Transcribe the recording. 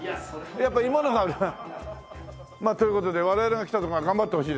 やっぱ芋の方が？という事で我々が来たとこは頑張ってほしいです。